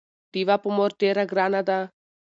ډيوه په مور ډېره ګرانه ده